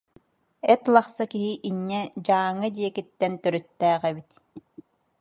Эт лахса киһи инньэ Дьааҥы диэкиттэн төрүттээх эбит